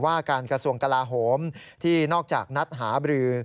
ว่าการกระทรวงกลาโหมที่นอกจากนัดหาบรือ